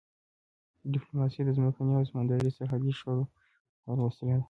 ډیپلوماسي د ځمکني او سمندري سرحدي شخړو د حل وسیله ده.